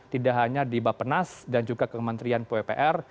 tidak hanya di bapenas dan juga kementerian pupr